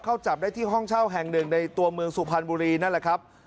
จับได้ที่ห้องเช่าแห่งหนึ่งในตัวเมืองสุพรรณบุรีนั่นแหละครับ